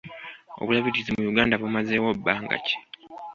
Obulabirizi mu Uganda bumazeewo bbanga ki?